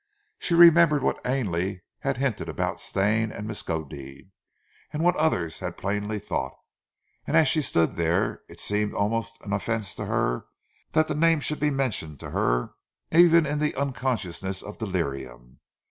She remembered what Ainley had hinted at about Stane and Miskodeed, and what others had plainly thought; and as she stood there it seemed almost an offence to her that the name should be mentioned to her even in the unconsciousness of delirium.